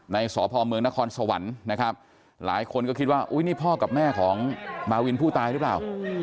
สพเมืองนครสวรรค์นะครับหลายคนก็คิดว่าอุ้ยนี่พ่อกับแม่ของมาวินผู้ตายหรือเปล่า